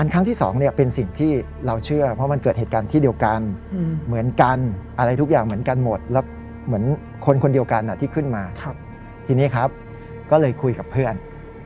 ครั้งที่๒เป็นสิ่งที่เราเชื่อเพราะมันเกิดเหตุการณ์ที่เดียวกันเหมือนกันอะไรทุกอย่างเหมือนกันหมดแล้วเหมือนคนคนเดียวกันที่ขึ้นมาทีนี้ครับก็เลยคุยกับเพื่อน